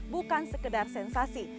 bukan sekedar sensasi